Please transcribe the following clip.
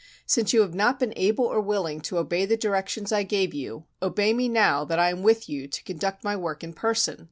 Since you have not been able or willing to obey the directions I gave you, obey me now that I am with you to conduct my work in person.